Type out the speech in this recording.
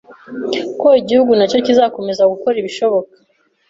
ko igihugu na cyo kizakomeza gukora ibishoboka